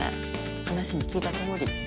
話に聞いたとおり。